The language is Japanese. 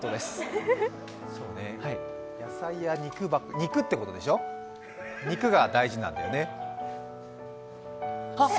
肉ってことでしょ、肉が大事なんだよね。